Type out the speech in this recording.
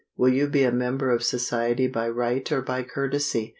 Will you be a member of society by right or by courtesy?